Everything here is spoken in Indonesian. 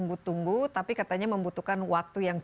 benin ibu and ping